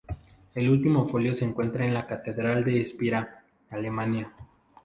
El último folio se encuentra en la Catedral de Espira, Alemania.